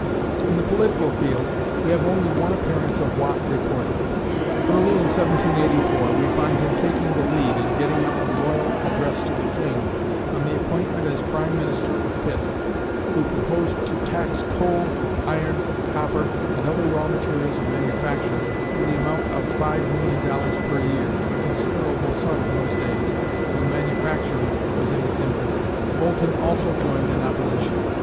In the political field, we have only one appearance of Watt reported. Early in 1784, we find him taking the lead in getting up a loyal address to the king on the appointment as prime minister of Pitt, who proposed to tax coal, iron, copper and other raw materials of manufacture to the amount of $5,000,000 per year, a considerable sum in those days when manufacturing was in its infancy. Boulton also joined in opposition.